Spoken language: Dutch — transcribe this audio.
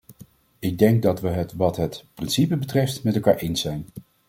Ik denk dat we het wat het principe betreft met elkaar eens zijn.